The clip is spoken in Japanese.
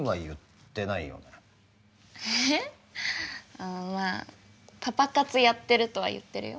あまあパパ活やってるとは言ってるよ。